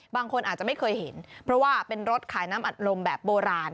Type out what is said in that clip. บางคนอาจจะไม่เคยเห็นเพราะว่าเป็นรถขายน้ำอัดลมแบบโบราณ